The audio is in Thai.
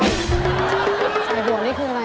ใส่บวกนี่คืออะไร